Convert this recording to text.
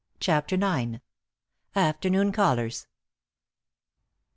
*CHAPTER IX.* *AFTERNOON CALLERS.